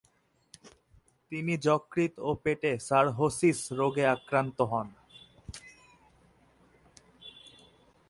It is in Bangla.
তিনি যকৃত ও পেটে সার্হোসিস রোগে আক্রান্ত হন।